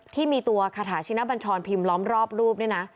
ที่มีตัวคาถาชินบัญชรพิมพ์ล้อมรอบรูปนี่นะ